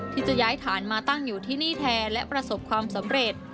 ที่จะย้ายฐานมาตั้งอยู่ที่นี่แทนและประสบความสำเร็จ